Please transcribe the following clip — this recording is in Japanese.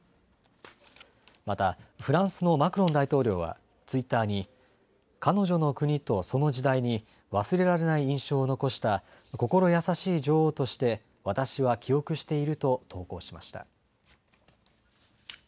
またフランスのマクロン大統領はツイッターに彼女の国とその時代に忘れられない印象を残した心優しい女王として私は記憶していると投稿しました。